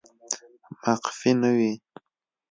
مقفي نه وي